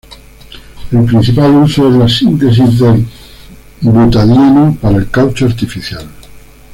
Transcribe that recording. El principal uso es la síntesis del butadieno para el caucho artificial.